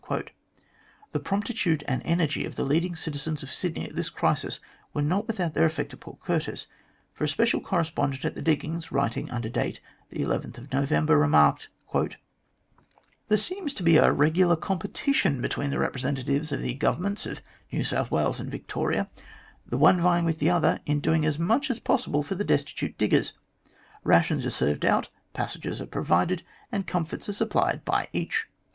'* The promptitude and energy of the leading citizens of Sydney at this crisis were not without their effect at Port Curtis, for a special correspondent at the diggings, writing under date November 11, remarked :" There seems to be a regular competition between the repre sentatives of the Governments of New South Wales and Victoria, the one vieing with the other in doing as much as possible for the destitute diggers. Rations are served out, passages are provided, and comforts are supplied by each.